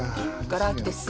がら空きです。